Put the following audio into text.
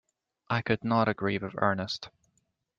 I could not agree with Ernest.